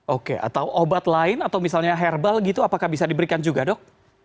oke atau obat lain atau misalnya herbal gitu apakah bisa diberikan juga dok